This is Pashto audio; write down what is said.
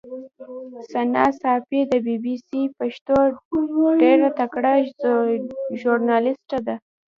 ثنا ساپۍ د بي بي سي پښتو ډېره تکړه ژورنالیسټه ده.